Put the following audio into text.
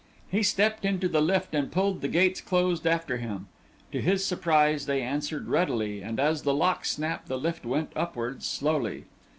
He stepped into the lift and pulled the gates close after him. To his surprise they answered readily, and as the lock snapped the lift went upwards slowly.